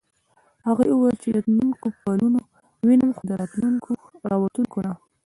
هغې وویل چې د تلونکو پلونه وینم خو د راوتونکو نه.